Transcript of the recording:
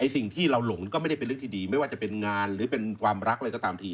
สิ่งที่เราหลงก็ไม่ได้เป็นเรื่องที่ดีไม่ว่าจะเป็นงานหรือเป็นความรักอะไรก็ตามที